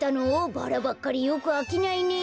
バラばっかりよくあきないね。